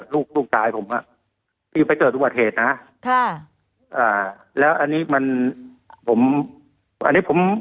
ลูกลูกชายผมอ่ะที่ไปเกิดอุบัติเหตุนะค่ะอ่าแล้วอันนี้มันผมอันนี้ผม